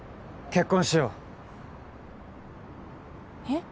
結婚しようえっ？